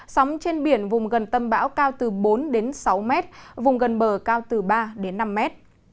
sóng trên biển vùng gần tâm bão cao từ bốn đến sáu mét vùng gần bờ cao từ ba đến năm mét